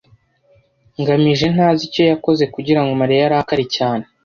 ngamije ntazi icyo yakoze kugirango Mariya arakare cyane.